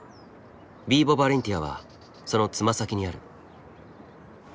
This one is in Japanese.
ビーボ・バレンティアはそのつま先にある。